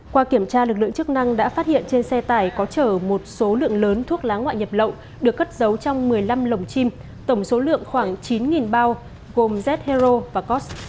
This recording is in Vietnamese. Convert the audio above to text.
qua kiểm tra lực lượng chức năng đã phát hiện trên xe tải có trở một số lượng lớn thuốc lá ngoại nhập lộng được cất giấu trong một mươi năm lồng chim tổng số lượng khoảng chín bao gồm z hero và cos